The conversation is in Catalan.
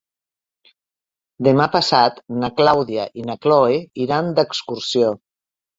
Demà passat na Clàudia i na Cloè iran d'excursió.